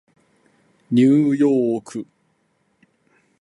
ニューヨーク